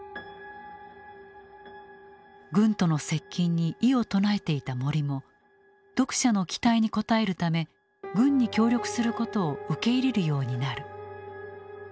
軍との接近に異を唱えていた森も読者の期待に応えるため軍に協力することを受け入れるようになる。